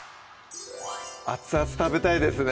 熱々食べたいですね